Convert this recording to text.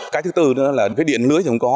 cái thứ tư nữa là điện lưới không có